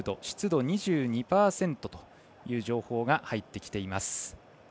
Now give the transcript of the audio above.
湿度２２％という情報が入ってきています。